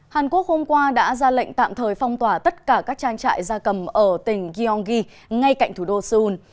hàn quốc hôm qua đã ra lệnh tạm thời phong tỏa tất cả các trang trại gia cầm ở tỉnh gyeonggi ngay cạnh thủ đô seoul